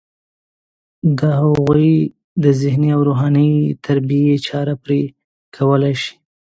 د هغوی د ذهني او روحاني تربیې چاره پرې کولی شي.